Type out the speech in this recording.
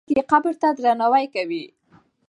خلک یې قبر ته درناوی کوي.